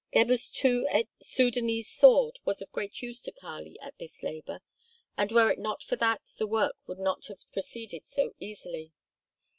Gebhr's two edged Sudânese sword was of great use to Kali at this labor, and were it not for that the work would not have proceeded so easily.